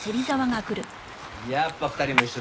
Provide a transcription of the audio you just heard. やっぱ２人も一緒だ。